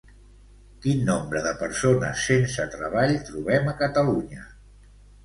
Quin nombre de persones sense treball trobem a Catalunya?